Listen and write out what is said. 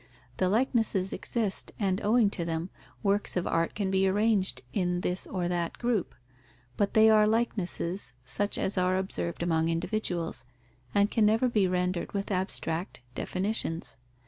The likenesses exist, and owing to them, works of art can be arranged in this or that group. But they are likenesses such as are observed among individuals, and can never be rendered with abstract definitions.